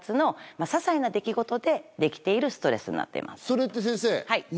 それって先生。